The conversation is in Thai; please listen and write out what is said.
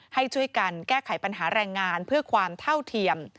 ให้ช่วยกันแก้ไขปัญหาแรงงานเพื่อความเท่าเทียม